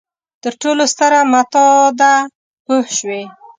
تر ټولو ستره متاع ده پوه شوې!.